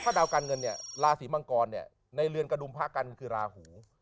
เพราะดาวการเงินลาศรีมังกรในเรือนกระดุมพระกันคือลาหู